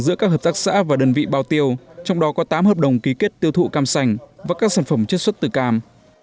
giữa các hợp tác xã và đơn vị bao tiêu trong đó có tám hợp đồng ký kết tiêu thụ cam sành và các sản phẩm chất xuất từ cam